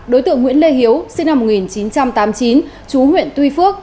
đối tượng nguyễn lê hiếu sinh năm một nghìn chín trăm tám mươi chín chú huyện tuy phước